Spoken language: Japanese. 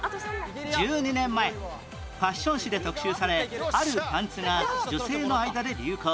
１２年前ファッション誌で特集されあるパンツが女性の間で流行